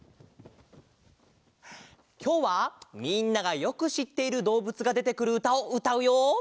きょうはみんながよくしっているどうぶつがでてくるうたをうたうよ。